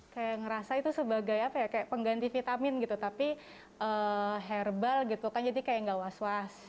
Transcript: kayak ngerasa itu sebagai pengganti vitamin gitu tapi herbal gitu kan jadi kayak gak was was